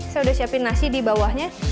saya udah siapin nasi di bawahnya